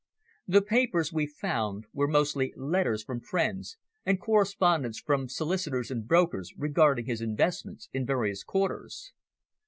The papers, we found, were mostly letters from friends, and correspondence from solicitors and brokers regarding his investments in various quarters.